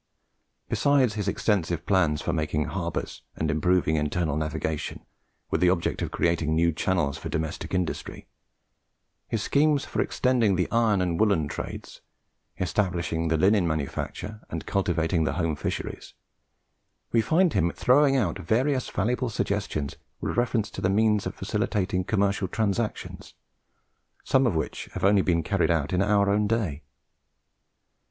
Besides his extensive plans for making harbours and improving internal navigation with the object of creating new channels for domestic industry, his schemes for extending the iron and the woollen trades, establishing the linen manufacture, and cultivating the home fisheries, we find him throwing out various valuable suggestions with reference to the means of facilitating commercial transactions, some of winch have only been carried out in our own day.